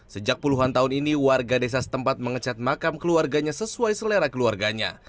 sejak puluhan tahun ini warga desa setempat mengecat makam keluarganya sesuai selera keluarganya